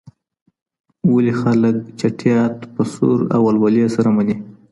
ولي خلګ چټیات په سور او ولولې سره مني؟